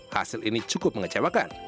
hasil ini cukup mengecewakan